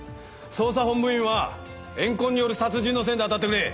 捜査本部員は怨恨による殺人の線で当たってくれ。